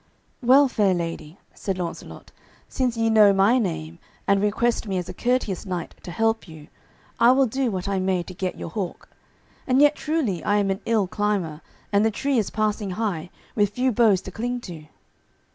"Well, fair lady," said Launcelot, "since ye know my name, and request me as a courteous knight to help you, I will do what I may to get your hawk. And yet truly I am an ill climber, and the tree is passing high, with few boughs to cling to."